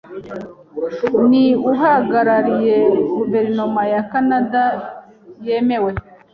Ni uhagarariye guverinoma ya Kanada yemewe.